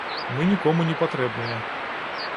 Мы нікому не патрэбныя.